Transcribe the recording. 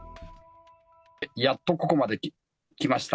やっとここまで来ました。